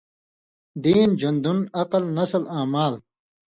دین، ژؤن٘دُن، عقل، نسل آں مال۔